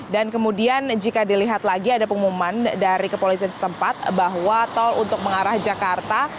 dan kemudian jika dilihat lagi ada pengumuman dari kepolisian setempat bahwa tol untuk mengarah jakarta